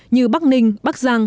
như bắc ninh bắc giang